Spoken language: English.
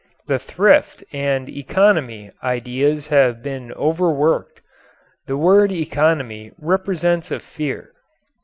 The "thrift" and "economy" ideas have been overworked. The word "economy" represents a fear.